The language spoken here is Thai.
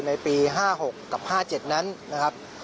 ในปี๕๖กับ๕๗นั้นนะครับ